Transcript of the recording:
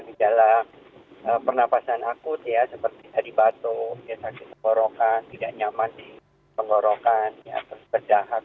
gejala gejala pernafasan akut seperti jadi batuk sakit pengorokan tidak nyaman di pengorokan terdahak